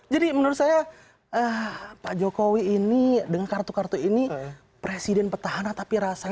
jadi menurut saya pak jokowi ini dengan kartu kartu ini presiden petahana tapi rasa tak pas